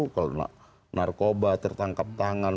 kalau narkoba tertangkap tangan